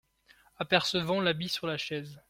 Apercevant l’habit sur la chaise.